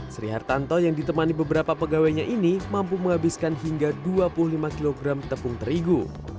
sri hartanto yang ditemani beberapa pegawainya ini mampu menghabiskan hingga dua puluh lima kg tepung terigu